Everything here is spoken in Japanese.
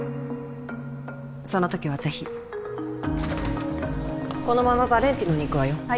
その時はぜひこのままヴァレンティノに行くわよ